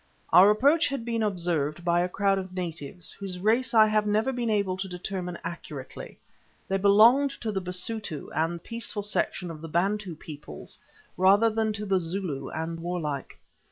Our approach had been observed by a crowd of natives, whose race I have never been able to determine accurately; they belonged to the Basutu and peaceful section of the Bantu peoples rather than to the Zulu and warlike.